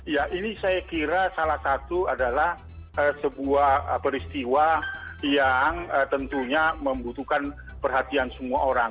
ya ini saya kira salah satu adalah sebuah peristiwa yang tentunya membutuhkan perhatian semua orang